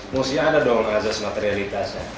mestinya ada dong azas materialitasnya